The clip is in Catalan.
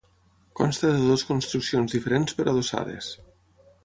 Consta de dues construccions diferents però adossades.